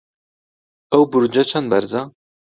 ئەو بورجە چەند بەرزە؟